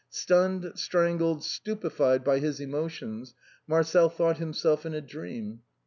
Stunned, strangled, stupefied by his emotions. Marcel thought himself in a dream.